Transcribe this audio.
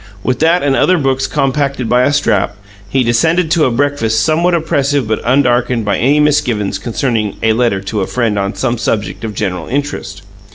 With that and other books compacted by a strap, he descended to a breakfast somewhat oppressive but undarkened by any misgivings concerning a "letter to a friend on some subject of general interest."